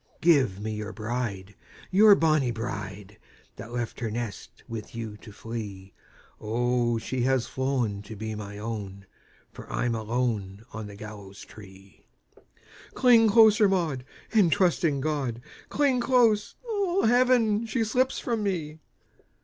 "Give me your bride, your bonnie bride, That left her nest with you to flee! O, she hath flown to be my own, For I'm alone on the gallows tree!" "Cling closer, Maud, and trust in God! Cling close! Ah, heaven, she slips from me!"